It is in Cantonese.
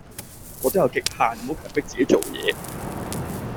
我都有極限，唔會強迫自己講嘢